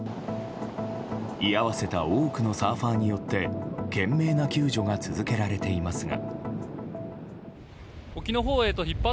居合わせた多くのサーファーによって懸命な救助が続けられていますが。